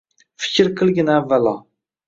Fikr qilgin avvalo.